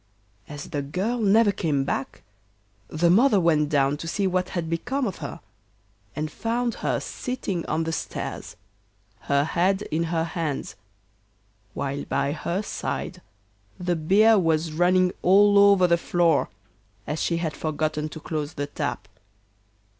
As the girl never came back the mother went down to see what had become of her, and found her sitting on the stairs, her head in her hands, while by her side the beer was running all over the floor, as she had forgotten to close the tap.